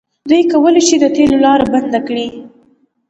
دوی کولی شي د تیلو لاره بنده کړي.